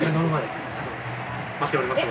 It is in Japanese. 待っておりますので。